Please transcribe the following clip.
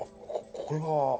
これは。